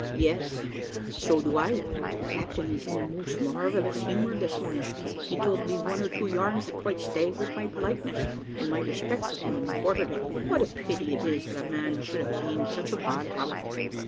"Yes." "So do I. The captain is in a most marvellous humour this morning. He told me one or two yarns that quite staggered my politeness and my respect for him on the quarter deck. What a pity it is that a man should have gained such a bad habit!"